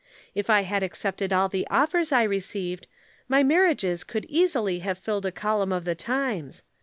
If I had accepted all the offers I received, my marriages could easily have filled a column of The Times.